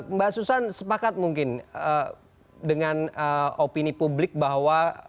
mbak susan sepakat mungkin dengan opini publik bahwa